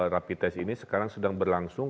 rapites ini sekarang sedang berlangsung